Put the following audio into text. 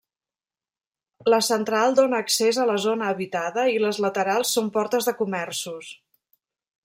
La central dóna accés a la zona habitada i les laterals són portes de comerços.